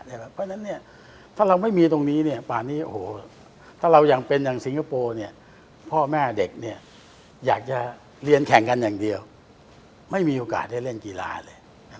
เพราะฉะนั้นถ้าเราไม่มีตรงนี้ป่านนี้โอ้โหถ้าเรายังเป็นอย่างสิงคโปร์พ่อแม่เด็กอยากจะเรียนแข่งกันอย่างเดียวไม่มีโอกาสได้เล่นกีฬาเลย